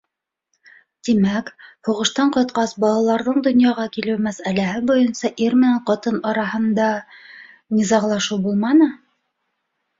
Тимәк, һуғыштан ҡайтҡас, балаларҙың донъяға килеү мәсьәләһе буйынса ир менән ҡатын араһында... низағлашыу булманы?